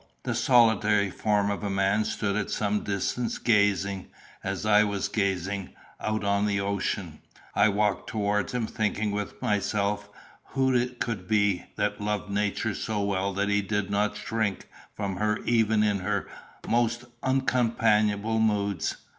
The solitary form of a man stood at some distance gazing, as I was gazing, out on the ocean. I walked towards him, thinking with myself who it could be that loved Nature so well that he did not shrink from her even in her most uncompanionable moods.